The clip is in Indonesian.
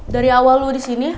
dari awal lu disini